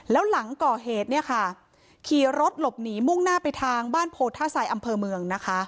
แล้วหลังก่อเหตุเนี่ยค่ะขี่รถหลบหนีมุ่งหน้าไปทางบ้านโพท่าทรายอำเภอเมืองนะคะ